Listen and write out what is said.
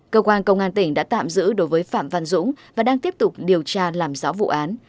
cơ quan công an tỉnh đã tạm giữ đối với phạm văn dũng và đang tiếp tục điều tra làm rõ vụ án